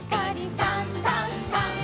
「さんさんさん」